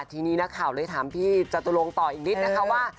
ทีนี้นักข่าวเลยถามพี่จตุลงต่ออีกนิดนะคะว่า